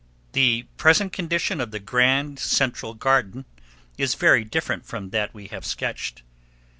The present condition of the Grand Central Garden is very different from that we have sketched.